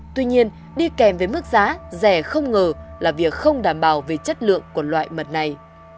tuy nhiên đi kèm với mức giá rẻ không ngờ là việc không đảm bảo về chất lượng của loại mật này